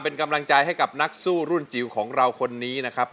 เป็นกำลังใจให้กับนักสู้รุ่นจิ๋วของเราคนนี้นะครับ